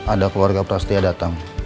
ada keluarga prasetya datang